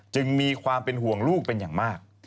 จึงมีความเป็นห่วงลูกเป็นอย่างมาก